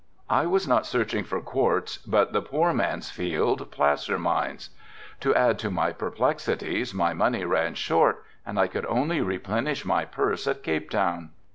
I was not searching for quartz but the poor man's field, placer mines. To add to my perplexities my money ran short and I could only replenish my purse at Cape Town.